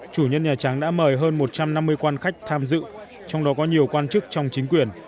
chủ nhân nhà trắng đã mời hơn một trăm năm mươi quan khách tham dự trong đó có nhiều quan chức trong chính quyền